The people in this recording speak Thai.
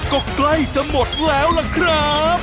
ก็ใกล้จะหมดแล้วล่ะครับ